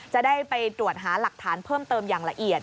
จะได้ไปตรวจหาหลักฐานเพิ่มเติมอย่างละเอียด